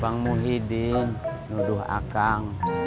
pang muhyiddin nuduh akang